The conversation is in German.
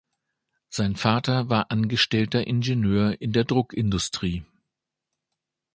Sein Vater war angestellter Ingenieur in der Druckindustrie.